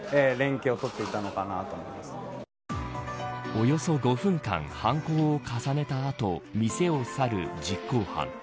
およそ５分間、犯行を重ねた後店を去る実行犯。